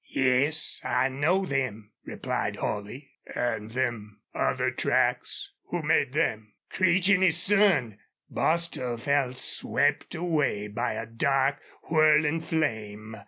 "Yes, I know them," replied Holley. "An' them other tracks? Who made them?" "CREECH AN' HIS SON!" Bostil felt swept away by a dark, whirling flame.